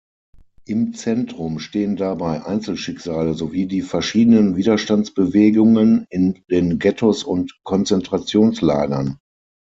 Im Zentrum stehen dabei Einzelschicksale sowie die verschiedenen Widerstandsbewegungen in den Ghettos und Konzentrationslagern.